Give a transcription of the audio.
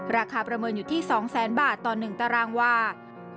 ประเมินอยู่ที่๒๐๐๐๐บาทต่อ๑ตารางวา